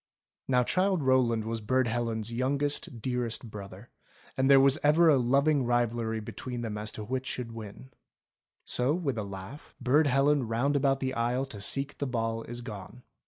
Now Childe Rowland was Burd Helen's youngest, dear est brother, and there was ever a loving rivalry between them as to which should win. So with a laugh — Burd Helen round about the aisle To seek the ball is gone.